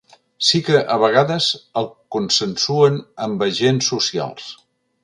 Sí que, a vegades, el consensuen amb agents socials.